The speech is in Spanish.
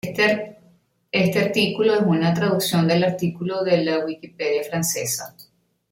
Este artículo es una traducción del artículo de la Wikipedia francesa